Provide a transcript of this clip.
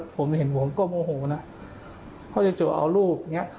ผมเห็นหวงก็โมโหนะเขาจะเอารูปอย่างนี้